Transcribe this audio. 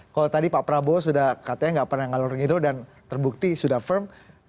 kalau tadi pak prabowo sudah katanya nggak pernah ngalur ngiru dan terbukti sudah firm